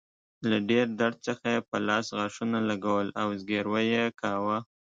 له ډیر درد څخه يې په لاس غاښونه لګول او زګیروی يې کاوه.